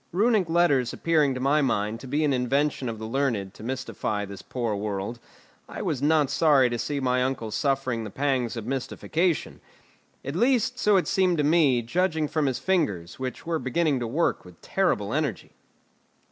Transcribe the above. Runic letters appearing to my mind to be an invention of the learned to mystify this poor world, I was not sorry to see my uncle suffering the pangs of mystification. At least, so it seemed to me, judging from his fingers, which were beginning to work with terrible energy.